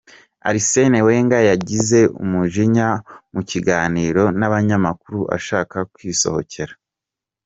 Arsene Wenger yagize umujinya mu kiganiro n’abanyamakuru ashaka kwisohokera.